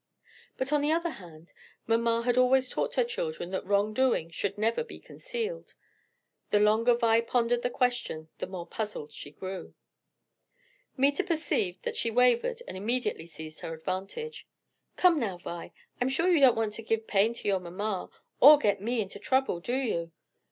But on the other hand, mamma had always taught her children that wrong doing should never be concealed. The longer Vi pondered the question the more puzzled she grew. Meta perceived that she wavered and immediately seized her advantage. "Come now, Vi, I'm sure you don't want to give pain to your mamma, or to get me into trouble. Do you?"